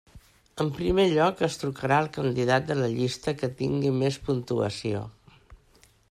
En primer lloc es trucarà al candidat de la llista que tingui més puntuació.